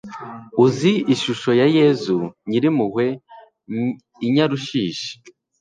Uzi ishusho ya Yezu Nyirimpuhwe i Nyarushishi